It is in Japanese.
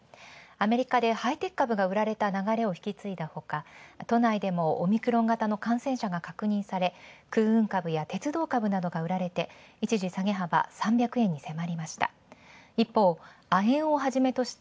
アメリカで、ハイテク株が売られた流れを引き継いだほか、都内でもオミクロン型の感染者が確認され、空運株や鉄道株などが売られて一時、下げ幅、３００円に迫りました。